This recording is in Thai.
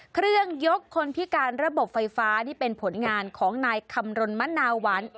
ยกคนพิการระบบไฟฟ้านี่เป็นผลงานของนายคำรณมะนาวัล